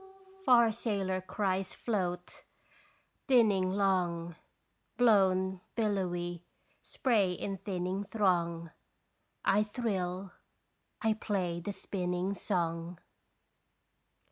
Yo ho ho ho! Yo ho ho ho! Far sailor cries float, dinning long, Blown billowy, spray in thinning throng. I thrill, I play the spinning song.